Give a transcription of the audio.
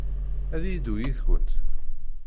Ad yeddu yid-kent?